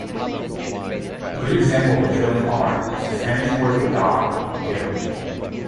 A good example of a trilling R is the Spanish word for dog, "perro".